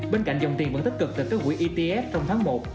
bên cạnh dòng tiền vẫn tích cực từ các quỹ etf trong tháng một